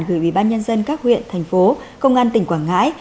gửi ubnd các huyện thành phố công an tỉnh quảng ngãi